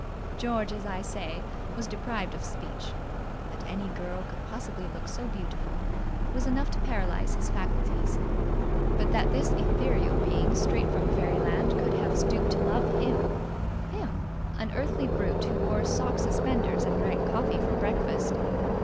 George, as I say, was deprived of speech. That any girl could possibly look so beautiful was enough to paralyse his faculties; but that this ethereal being straight from Fairyland could have stooped to love him him an earthy brute who wore sock suspenders and drank coffee for breakfast